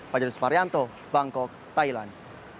pajar suparyanto bangkok thailand